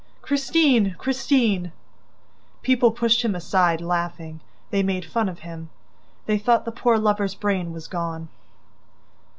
"Christine! Christine! ..." People pushed him aside, laughing. They made fun of him. They thought the poor lover's brain was gone!